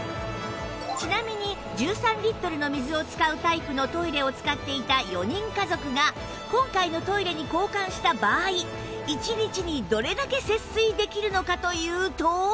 ちなみに１３リットルの水を使うタイプのトイレを使っていた４人家族が今回のトイレに交換した場合１日にどれだけ節水できるのかというと